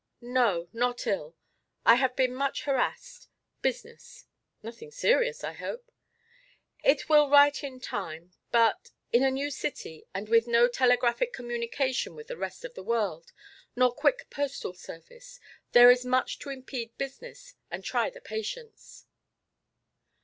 "No; not ill. I have been much harassed business." "Nothing serious, I hope." "It will right in time but in a new city and with no telegraphic communication with the rest of the world nor quick postal service there is much to impede business and try the patience."